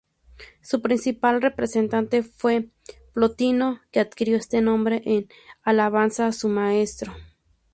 Su principal representante fue Plotino, que adquirió este nombre en alabanza a su maestro.